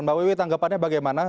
mbak wiwi tanggapannya bagaimana